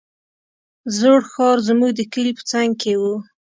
زوړ ښار زموږ د کلي په څنگ کښې و.